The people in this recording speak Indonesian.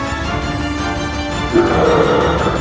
rukunlah rakyat bintang